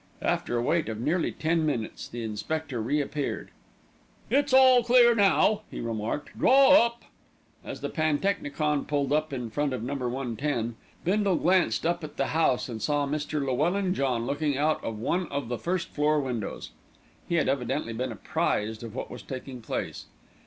After a wait of nearly ten minutes, the inspector re appeared. "It's all clear now," he remarked. "Draw up." As the pantechnicon pulled up in front of Number 110, Bindle glanced up at the house and saw Mr. Llewellyn John looking out of one of the first floor windows. He had evidently been apprised of what was taking place.